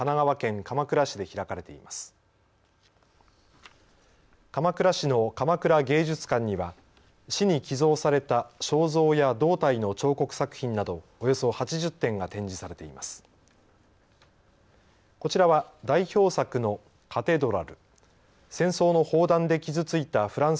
鎌倉市の鎌倉芸術館には市に寄贈された肖像や胴体の彫刻作品などおよそ８０点が展示されています。